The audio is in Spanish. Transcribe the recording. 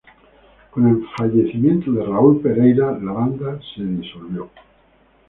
Con el fallecimiento de Raúl Pereyra la banda se separó.